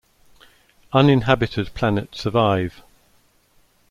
Uninhabited Planet Survive!